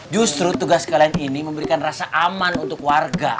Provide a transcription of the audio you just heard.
justru tugas kalian ini memberikan rasa aman untuk warga